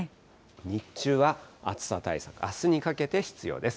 日中は暑さ対策、あすにかけて必要です。